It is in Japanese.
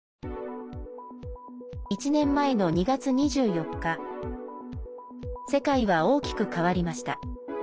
１年前の２月２４日世界は大きく変わりました。